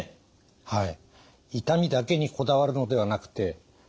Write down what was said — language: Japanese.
はい。